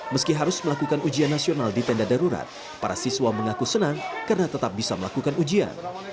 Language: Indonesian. meski harus melakukan ujian nasional di tenda darurat para siswa mengaku senang karena tetap bisa melakukan ujian